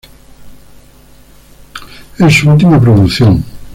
Es su última producción.